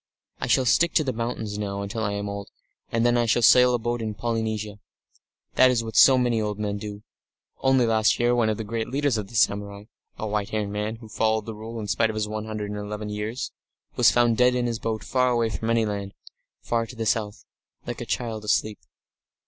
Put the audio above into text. I shall stick to the mountains now until I am old, and then I shall sail a boat in Polynesia. That is what so many old men do. Only last year one of the great leaders of the samurai a white haired man, who followed the Rule in spite of his one hundred and eleven years was found dead in his boat far away from any land, far to the south, lying like a child asleep...."